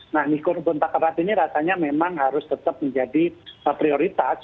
nah mikur kontak erat ini rasanya memang harus tetap menjadi prioritas